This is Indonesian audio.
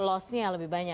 lossnya lebih banyak